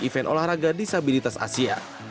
event olahraga disabilitas asia